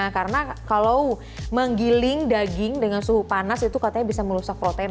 karena kalau menggiling daging dengan suhu panas itu katanya bisa merusak protein